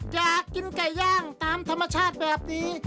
อยากกินไก่ย่างตามธรรมชาติแบบนี้